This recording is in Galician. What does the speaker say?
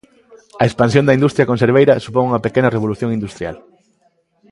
A expansión da industria conserveira supón unha pequena revolución industrial.